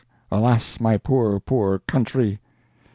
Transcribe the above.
Alas, my poor, poor country."